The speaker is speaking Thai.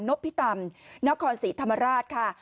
พิตำนครศรีธรรมราชค่ะ